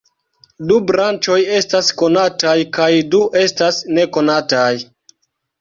Du branĉoj estas konataj kaj du estas nekonataj.